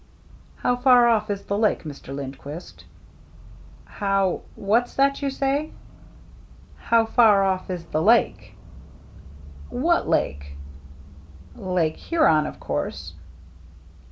" How far off is the Lake, Mr. Lindquist ?"" How — what's that you say ?"" How far off is the Lake ?" "What Lake?" " Lake Huron, of course."